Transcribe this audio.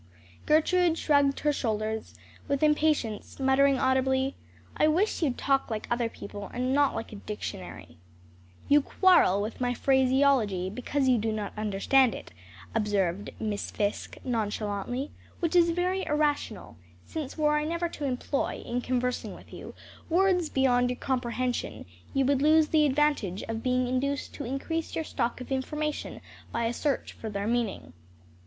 Gertrude shrugged her shoulders, with impatience, muttering audibly, "I wish you'd talk like other people, and not like a dictionary." "You quarrel with my phraseology, because you do not understand it," observed Miss Fisk, nonchalantly, "which is very irrational, since were I never to employ, in conversing with you, words beyond your comprehension, you would lose the advantage of being induced to increase your stock of information by a search for their meaning."